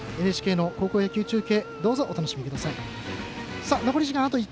ＮＨＫの高校野球中継お楽しみください。